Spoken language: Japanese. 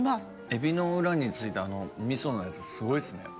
海老の裏に付いた味噌のやつすごいですね。